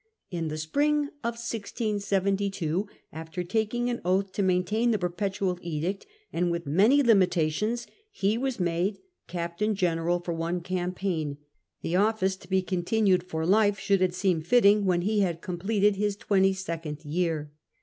In the spring of 1672, after taking an oath to maintain the ' Perpetual Edict,* and with many limitations, he was made Captain General for one campaign, the office to be continued for life should it seem fitting when he had completed his twenty second year.